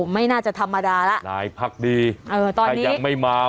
ไม่น่าจะธรรมดาแล้วนายพักดีเออตอนยังไม่มา